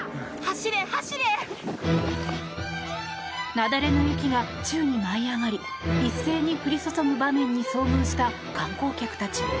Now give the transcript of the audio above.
雪崩の雪が宙に舞い上がり一斉に降り注ぐ場面に遭遇した観光客たち。